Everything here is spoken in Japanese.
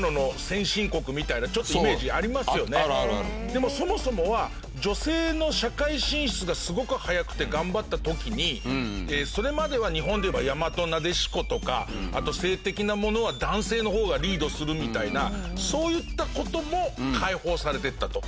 でもそもそもは女性の社会進出がすごく早くて頑張った時にそれまでは日本でいえば大和撫子とかあと性的なものは男性の方がリードするみたいなそういった事も解放されていったと。